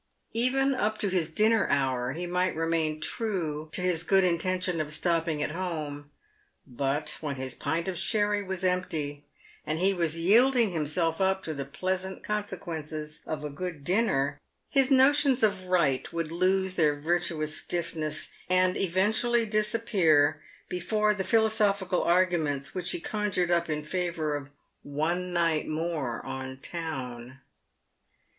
Even up to his dinner hour he might remain true to his good intention of stop piug at home ; but when his pint of sherry was empty, and he was yielding himself up to the pleasant consequences of a good dinner, his notions of right would lose their virtuous stiffness, and eventually disappear before the philosophical arguments which he conjured up in favour of one night more on town.